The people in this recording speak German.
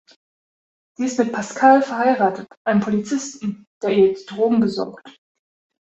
Sie ist mit Pascal verheiratet, einem Polizisten, der ihr die Drogen besorgt.